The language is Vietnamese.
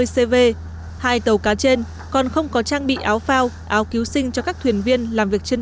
bốn trăm năm mươi cv hai tàu cá trên còn không có trang bị áo phao áo cứu sinh cho các thuyền viên làm việc trên